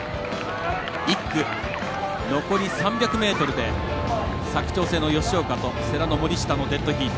１区、残り３００ｍで佐久長聖の吉岡と世羅の森下のデッドヒート。